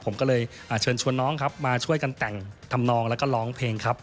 ผมก็เลยเชิญชวนน้องครับมาช่วยกันแต่งทำนองแล้วก็ร้องเพลงครับ